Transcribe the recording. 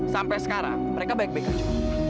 sampe sekarang mereka baik baik aja